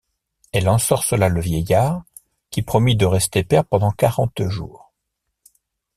Elle ensorcela le vieillard, qui promit de rester père pendant quarante jours.